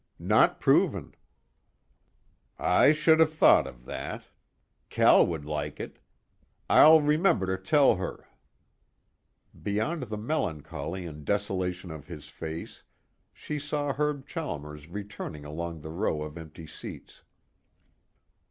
"Not proven." "I should have thought of that. Cal would like it. I'll remember to tell her." Beyond the melancholy and desolation of his face she saw Herb Chalmers returning along the row of empty seats.